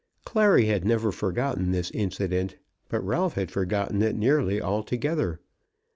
Clary had never forgotten this incident; but Ralph had forgotten it nearly altogether.